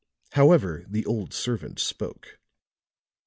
However, the old servant spoke.